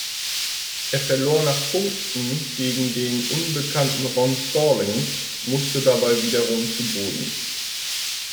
Er verlor nach Punkten gegen den unbekannten Ron Stallings, musste dabei wiederum zu Boden.